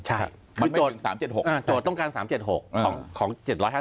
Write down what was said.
ใช่คือโจทย์ต้องการ๓๗๖ของ๗๕๐